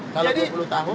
kalau dua puluh tahun